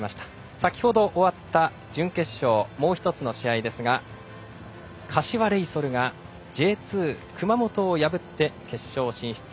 先程終わった、準決勝もう一つの試合、柏レイソルがＪ２、熊本を破って決勝進出。